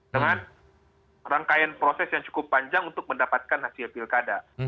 dengan rangkaian proses yang cukup panjang untuk mendapatkan hasil pilkada